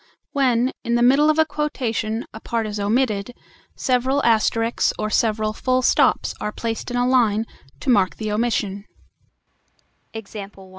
When, in the middle of a quotation, a part is omitted, several asterisks or several full stops are placed in a line to mark the omission.